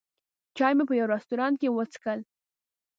چای مې په یوه رستورانت کې وڅښل.